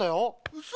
うそ。